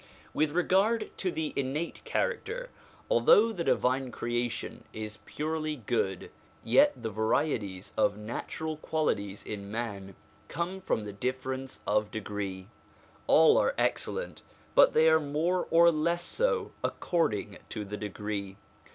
With regard to the innate character, although the divine creation is purely good, yet the varieties of natural qualities in man come from the difference of degree ; all are excellent, but they are more or less so, according to the degree.